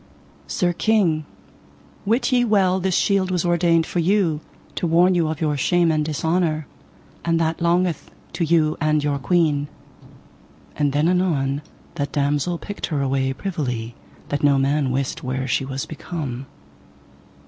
Sir King, wit ye well this shield was ordained for you, to warn you of your shame and dishonour, and that longeth to you and your queen. And then anon that damosel picked her away privily, that no man wist where she was become.